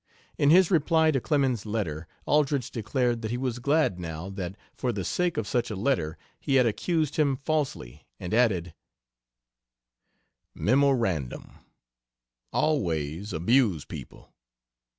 In his reply to Clemens's letter, Aldrich declared that he was glad now that, for the sake of such a letter, he had accused him falsely, and added: "Mem. Always abuse people.